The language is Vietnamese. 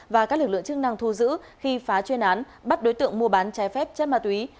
và các lực lượng chức năng thu giữ khi phá chuyên án bắt đối tượng mua bán trái phép chất ma túy